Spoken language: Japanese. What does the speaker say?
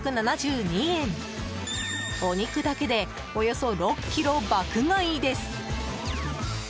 お肉だけで、およそ６ｋｇ爆買いです。